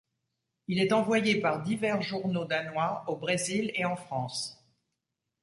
Il est envoyé par divers journaux danois au Brésil et en France.